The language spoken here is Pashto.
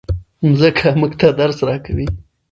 مځکه موږ ته درس راکوي.